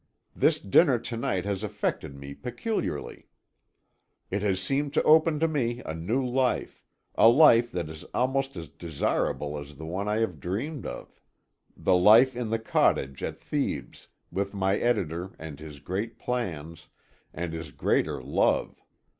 This dinner to night has affected me peculiarly. It has seemed to open to me a new life, a life that is almost as desirable as the one I have dreamed of the life in the cottage at Thebes, with my editor and his great plans, and his greater love.